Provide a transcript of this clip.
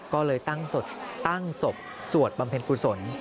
ก็เลยตั้งศพสวดบำเพ็ญกุศล